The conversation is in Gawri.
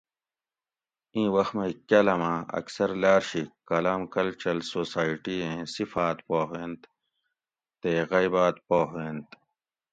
ایں وخ مئ کاۤلماۤں اکثر لاۤر شی کالام کلچرل سوسائٹی ایں صفات پا ھوینت تے غیباۤت پا ھوینت